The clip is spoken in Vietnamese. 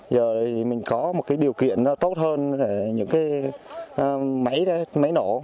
giờ thì mình có một điều kiện tốt hơn những cái máy nổ